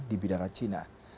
di bidara cina